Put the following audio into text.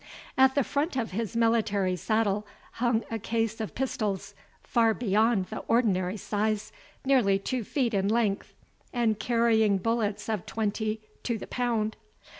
At the front of his military saddle hung a case of pistols, far beyond the ordinary size, nearly two feet in length, and carrying bullets of twenty to the pound.